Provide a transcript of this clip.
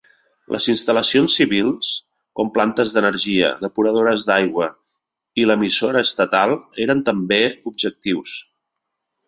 Les instal·lacions civils com plantes d'energia, depuradores d'aigua i l'emissora estatal eren també objectius.